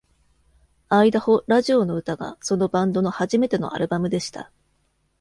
「アイダホ・ラジオの歌」がそのバンドの初めてのアルバムでした。